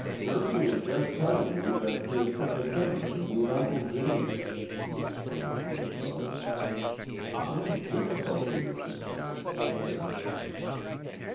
"Kirby was just telling me that he has come to Denver to meet Uncle James," he explained to his brother. "Some difficulty with him, I understand."